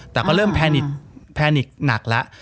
แต่ก็เริ่มแพนิกแพนิกหนักแล้ว